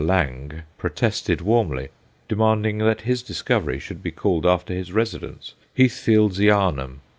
Lange protested warmly, demanding that his discovery should be called, after his residence, Heathfieldsayeanum.